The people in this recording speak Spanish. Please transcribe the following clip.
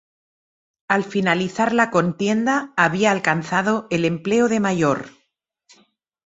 Al finalizar la contienda había alcanzado el empleo de mayor.